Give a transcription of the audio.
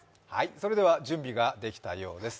それでは準備ができたようです。